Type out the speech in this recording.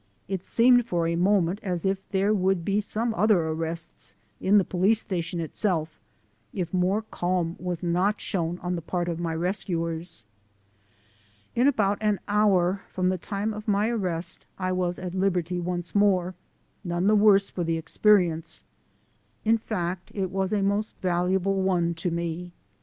It seemed for a moment as if there would be some other arrests, in the police station itself, if more calm was not shown on the part of my rescuers. In about an hour from the time of my arrest I was at liberty once more, none the worse for the ex perience. In fact, it was a most valuable one to me.